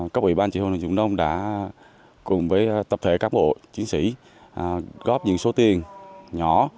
các ủy ban chế đội biên phòng dục nông đã cùng với tập thể cán bộ chiến sĩ góp những số tiền nhỏ